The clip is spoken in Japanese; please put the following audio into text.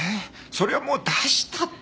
それはもう出したって。